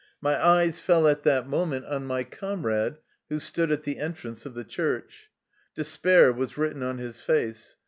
My eyes fell at that moment on my com rade, who stood at the entrance of the church. Despair was written on his face.